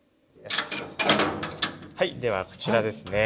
はいではこちらですね。